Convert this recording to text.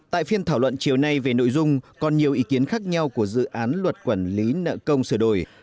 tại phiên thảo luận chiều nay về nội dung còn nhiều ý kiến khác nhau của dự án luật quản lý nợ công sửa đổi